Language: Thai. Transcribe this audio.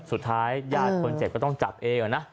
สุดท้ายยาคนเสร็จก็ต้องจับเอ่อนะ